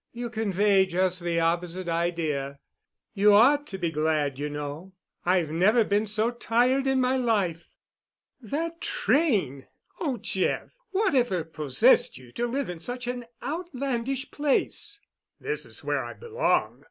"You convey just the opposite idea. You ought to be glad, you know. I've never been so tired in my life. That train! Oh, Jeff, whatever possessed you to live in such an outlandish place?" "This is where I belong.